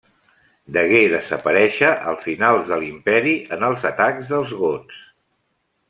Degué desaparèixer al final de l'Imperi en els atacs dels gots.